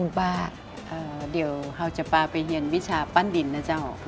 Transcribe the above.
กรูผู้สืบสารล้านนารุ่นแรกแรกรุ่นเลยนะครับผม